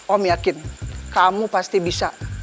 om yakin kamu pasti bisa